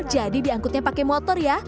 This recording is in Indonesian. jadi diangkutnya pakai motor ya